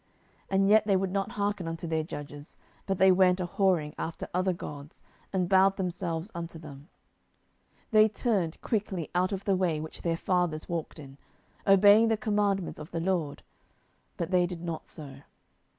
07:002:017 And yet they would not hearken unto their judges, but they went a whoring after other gods, and bowed themselves unto them: they turned quickly out of the way which their fathers walked in, obeying the commandments of the LORD; but they did not so.